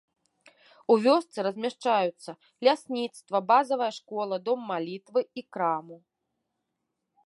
У вёсцы размяшчаюцца лясніцтва, базавая школа, дом малітвы і краму.